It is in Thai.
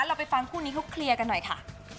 เราไปฟังคู่นี้เขาเคลียร์กันหน่อยค่ะ